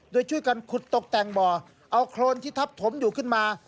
โดยช่วยกันขุดตกแต่งบ่อเอาโครนที่ทับถมอยู่ขึ้นมา